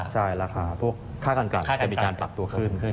ค่าการกันจะมีการปรับตัวขึ้น